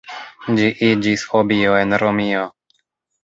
Ĝi iĝis hobio en Romio.